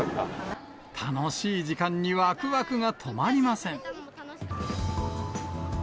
楽しい時間にわくわくが止まりません。